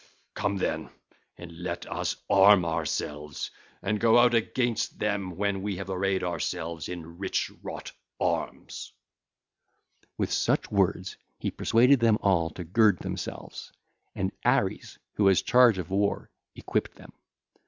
Come, then, and let us arm ourselves and go out against them when we have arrayed ourselves in rich wrought arms.' (ll. 122 131) With such words he persuaded them all to gird themselves. And Ares who has charge of war equipped them.